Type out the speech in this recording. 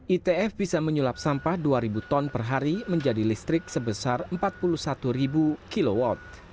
itf bisa menyulap sampah dua ribu ton per hari menjadi listrik sebesar empat puluh satu kilowatt